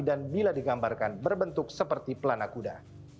dan bila digambarkan berbentuk seperti pelana kuda